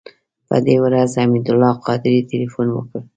په دې ورځ حمید الله قادري تیلفون وکړ.